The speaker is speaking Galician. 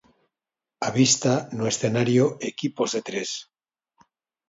Á vista, no escenario, equipos de tres.